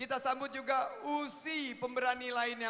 kita sambut juga usi pemberani lainnya